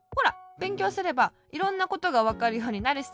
べんきょうすればいろんなことがわかるようになるしさ。